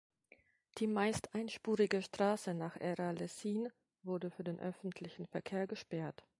Die meist einspurige Straße nach Ehra-Lessien wurde für den öffentlichen Verkehr gesperrt.